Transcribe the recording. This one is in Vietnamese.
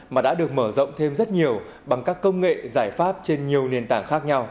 mà đã được mở rộng thêm rất nhiều bằng các công nghệ giải pháp trên nhiều nền tảng